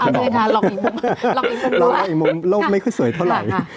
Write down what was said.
เคยค่ะลองอีกมุมลองอีกมุมโลกไม่ค่อยสวยเท่าไหร่